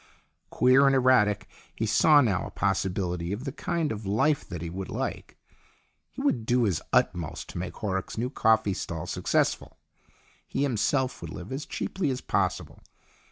Queer and erratic, he saw now a possibility of the kind of life that he would like. He would do his utmost to make Horrocks's new coffee stall successful. He himself would live as cheaply as possible.